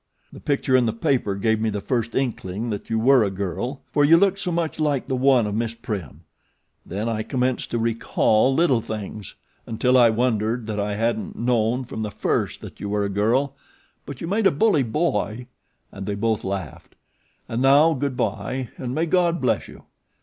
The picture in the paper gave me the first inkling that you were a girl, for you looked so much like the one of Miss Prim. Then I commenced to recall little things, until I wondered that I hadn't known from the first that you were a girl; but you made a bully boy!" and they both laughed. "And now good by, and may God bless you!"